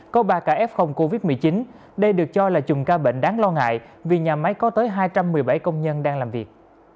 có ba ca f covid một mươi chín đây được cho là chùm ca bệnh đáng lo ngại vì nhà máy có tới hai trăm một mươi bảy công nhân đang làm việc